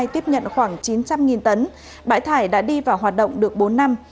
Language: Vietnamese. tiếp nhận khoảng chín trăm linh tấn bãi thải đã đi vào hoạt động được bốn năm